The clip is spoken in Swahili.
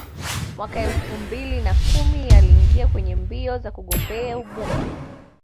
Mwaka elfu mbili na kumi aliingia kwenye mbio za kugombea ubunge